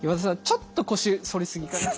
ちょっと腰反り過ぎかな。